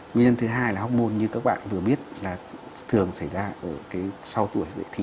nguyên nhân thứ hai là học môn như các bạn vừa biết là thường xảy ra ở cái sau tuổi dạy thí